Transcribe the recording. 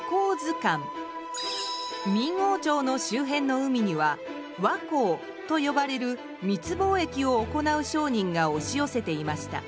明王朝の周辺の海には「倭寇」と呼ばれる密貿易を行う商人が押し寄せていました。